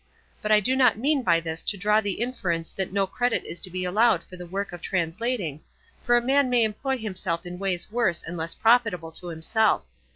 But I do not mean by this to draw the inference that no credit is to be allowed for the work of translating, for a man may employ himself in ways worse and less profitable to himself.